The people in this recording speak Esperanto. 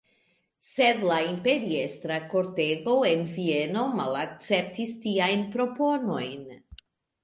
Sed la imperiestra kortego en Vieno malakceptis tiajn proponojn.